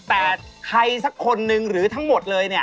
แต่ใครสักคนนึงหรือทั้งหมดเลยเนี่ย